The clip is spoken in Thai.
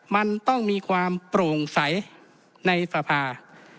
มันต้องมีความโปร่งใสในสภา